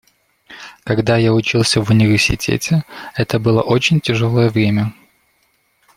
Когда я учился в университете, это было очень тяжелое время.